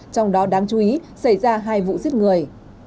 trong đó đáng chú ý xảy ra hai vụ giết người